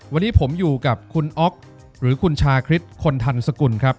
วันนี้ผมอยู่กับคุณอ๊อกหรือคุณชาคริสคนทันสกุลครับ